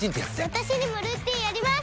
私にもルーティンあります！